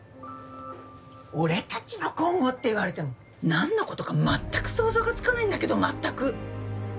俺たちの今後って言われてもなんの事か全く想像がつかないんだけど全く！